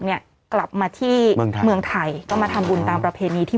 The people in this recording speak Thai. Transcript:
เนี้ยกลับมาที่เมืองไทยก็มาทำบุญตามประเภทนี้ที่